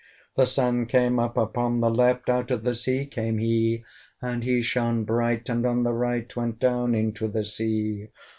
The Sun came up upon the left, Out of the sea came he! And he shone bright, and on the right Went down into the sea.